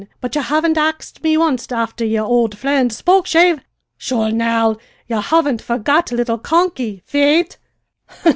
But ye haven't axed me onst afther yer ould fri'nd Spokeshave! Sure, now, ye haven't forgot little `Conky,' faith!"